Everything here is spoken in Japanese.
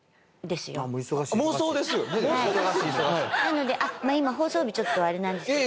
なので放送日ちょっとあれなんですけど。